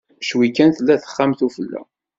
Ccwi kan tella deg texxamt ufella.